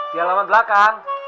di halaman belakang